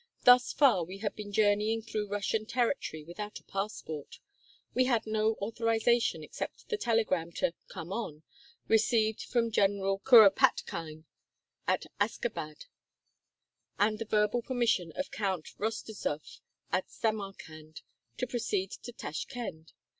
Thus far we had been journeying through Russian territory without a passport. We had no authorization except the telegram to "come on," received from General Kuropatkine at Askabad, and the verbal permission of Count Rosterzsoff at Samarkand to proceed to Tashkend.